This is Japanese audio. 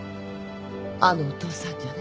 あのお父さんじゃね。